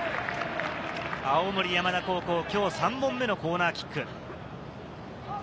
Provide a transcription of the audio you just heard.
青森山田高校、今日３本目のコーナーキック。